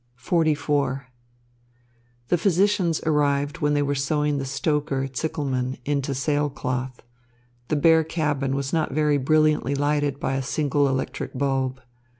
XLIV The physicians arrived when they were sewing the stoker, Zickelmann, into sail cloth. The bare cabin was not very brilliantly lighted by a single electric bulb.